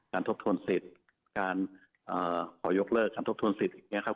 ทบทวนสิทธิ์การขอยกเลิกการทบทวนสิทธิ์อย่างนี้ครับ